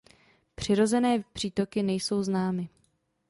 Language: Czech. Přirozené přítoky nejsou známy.